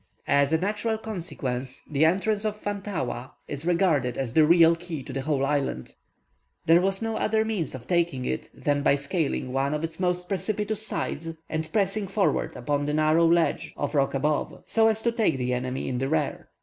As a natural consequence, the entrance of Fantaua is regarded as the real key to the whole island. There was no other means of taking it than by scaling one of its most precipitous sides, and pressing forward upon the narrow ledge of rock above, so as to take the enemy in the rear.